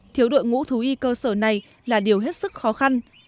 thiếu đội ngũ thú y cơ sở này là điều hết sức khó khăn